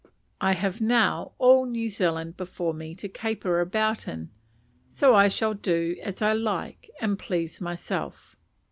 I have now all New Zealand before me to caper about in; so I shall do as I like, and please myself.